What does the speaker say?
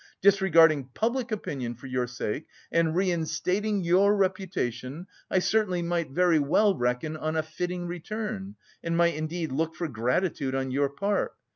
Disregarding public opinion for your sake and reinstating your reputation, I certainly might very well reckon on a fitting return, and might indeed look for gratitude on your part.